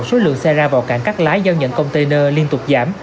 số lượng xe ra vào cảng cắt lái giao nhận container liên tục giảm